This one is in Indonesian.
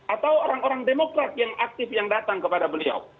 atau orang orang demokrat yang aktif yang datang kepada beliau